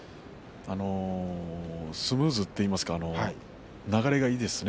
スムーズといいますか流れがいいですね。